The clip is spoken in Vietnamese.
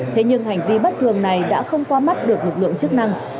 thế nhưng hành vi bất thường này đã không qua mắt được lực lượng chức năng